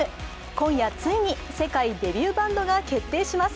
今夜、ついに世界デビューバンドが決定します。